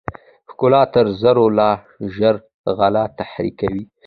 ښکلا تر زرو لا ژر غل تحریکوي.